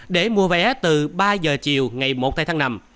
để mua vé từ ba giờ chiều ngày một hai tháng năm